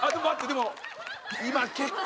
でも今結構。